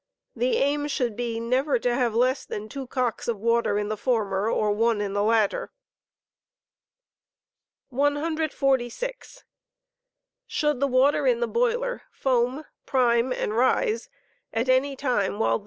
The aim should be never to have less than two cocks of water in the former or one in the latter. 146. Should the water in the boiler foam, prime, and rise at any time while the *<»»ing.